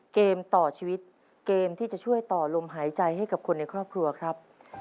เกมต่อชีวิตเกมที่จะช่วยต่อลมหายใจให้กับคนในครอบครัวครับ